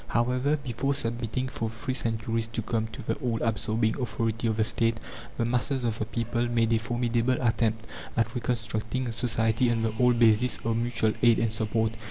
However, before submitting for three centuries to come, to the all absorbing authority of the State, the masses of the people made a formidable attempt at reconstructing society on the old basis of mutual aid and support.